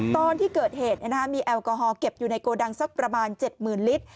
ตอนที่เกิดเหตุมีแอลกอฮอลเก็บอยู่ในโกดังสักประมาณ๗๐๐ลิตร